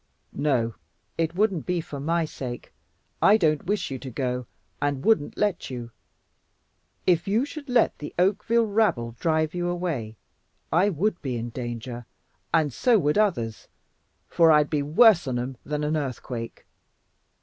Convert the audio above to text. "No, it wouldn't be for my sake. I don't wish you to go, and wouldn't let you. If you should let the Oakville rabble drive you away, I WOULD be in danger, and so would others, for I'd be worse on 'em than an earthquake.